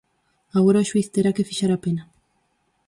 Agora o xuíz terá que fixar a pena.